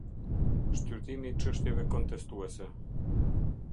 Shqyrtimi i Çështjeve Kontestuese.